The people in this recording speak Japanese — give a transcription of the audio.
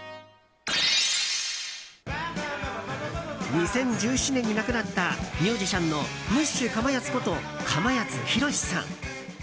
２０１７年に亡くなったミュージシャンのムッシュかまやつことかまやつひろしさん。